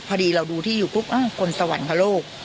พอดีเราดูที่อยู่ปุ๊บคนสวรรคโลก